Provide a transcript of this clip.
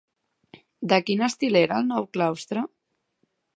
De quin estil era el nou claustre?